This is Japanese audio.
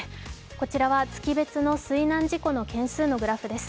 こちらは月別の水難事故の件数のグラフです。